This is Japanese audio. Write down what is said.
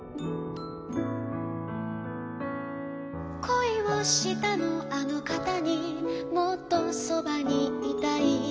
「こいをしたのあのかたにもっとそばにいたい」